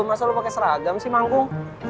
masa lo pake seragam sih manggung